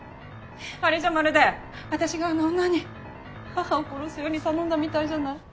あれじゃまるで私があの女に母を殺すように頼んだみたいじゃない。